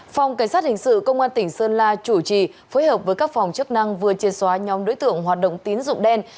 phòng cảnh sát hình sự công an tỉnh sơn la chủ trì phối hợp với các phòng chức năng vừa chia xóa nhóm đối tượng hoạt động tín dụng đen